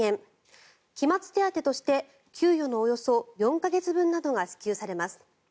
期末手当として給与のおよそ４か月分などが支給されます。